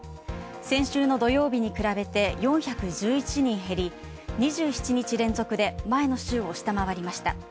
先週の土曜日に比べて４１１人減り、２７日連続で前の週を下回りました。